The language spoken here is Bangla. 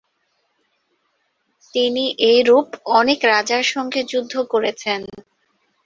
তিনি এরূপ অনেক রাজার সঙ্গে যুদ্ধ করেছেন।